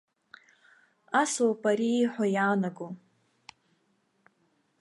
Асоуп ари ииҳәо иаанаго.